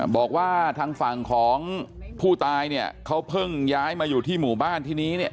บอกว่าทางฝั่งของผู้ตายเนี่ยเขาเพิ่งย้ายมาอยู่ที่หมู่บ้านที่นี้เนี่ย